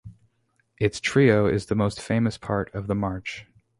Its trio is the most famous part of the march.